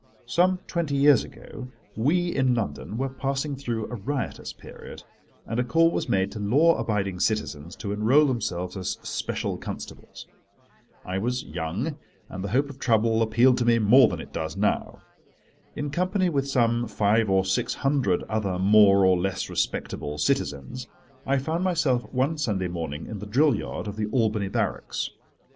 Some twenty years ago we, in London, were passing through a riotous period, and a call was made to law abiding citizens to enrol themselves as special constables. I was young, and the hope of trouble appealed to me more than it does now. In company with some five or six hundred other more or less respectable citizens, I found myself one Sunday morning in the drill yard of the Albany Barracks.